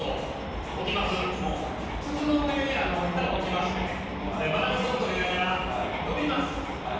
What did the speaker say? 筒の上に板を置きましてバランスを取りながら乗ります。